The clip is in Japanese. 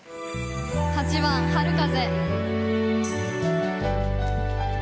８番「春風」。